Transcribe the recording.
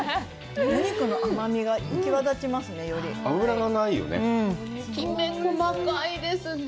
お肉の甘みが引き立ちますよね。